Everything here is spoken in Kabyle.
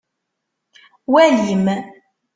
Walim!